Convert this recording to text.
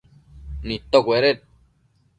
nidtocueded